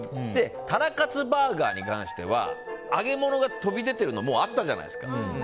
タラカツバーガーに関しては揚げ物が飛び出てるのはもうあったじゃないですか。